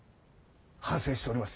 反省しとります。